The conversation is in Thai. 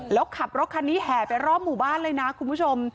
แล้วขับรถคันนี้แห่ไปรอบหมู่บ้านเลยนะคุณผู้ชม